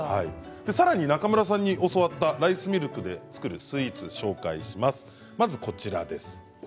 さらに中村さんに教わったライスミルクで作るスイーツを紹介します。